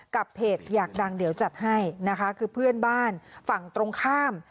เพจอยากดังเดี๋ยวจัดให้นะคะคือเพื่อนบ้านฝั่งตรงข้าม